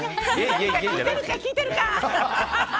聞いてるか、聞いてるか！